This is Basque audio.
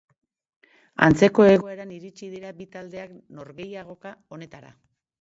Antzeko egoeran iritsi dira bi taldeak norgehiagoka honetara.